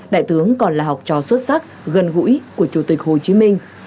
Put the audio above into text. đại tướng còn là học trò xuất sắc gần gũi của chủ tịch hồ chí minh